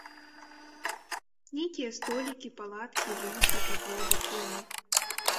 Нейкія столікі, палаткі, людзі, падводы, коні.